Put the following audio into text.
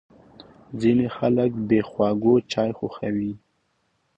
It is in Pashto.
ځینې خلک بې خوږو چای خوښوي.